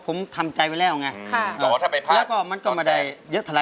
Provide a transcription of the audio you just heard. เป็นการให้กำลังใจกันระหว่างคู่เฌ่งร้าน